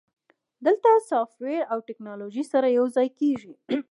دلته سافټویر او ټیکنالوژي سره یوځای کیږي.